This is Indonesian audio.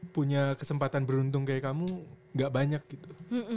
punya kesempatan beruntung kayak kamu gak banyak gitu